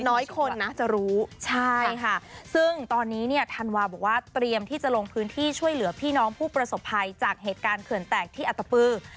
น้อยคนนะจะรู้ใช่ค่ะซึ่งตอนนี้เนี่ยธันวาบอกว่าเตรียมที่จะลงพื้นที่ช่วยเหลือพี่น้องผู้ประสบภัยจากเหตุการณ์เขื่อนแตกที่อัตปือ